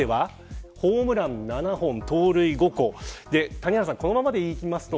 谷原さん、このままでいくと